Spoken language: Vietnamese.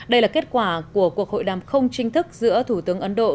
đây là kết quả của cuộc hội đàm không chính thức giữa thủ tướng ấn độ